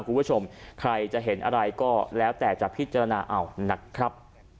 คุณผู้ชมใครจะเห็นอะไรก็แล้วแต่จะพิจารณาเอานะครับ